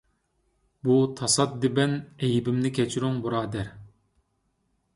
بۇ تاسادىپەن ئەيىبىمنى كەچۈرۈڭ، بۇرادەر.